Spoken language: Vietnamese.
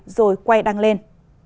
rồi quay đăng lên